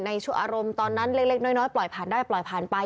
ช่วงอารมณ์ตอนนั้นเล็กน้อยปล่อยผ่านได้ปล่อยผ่านไป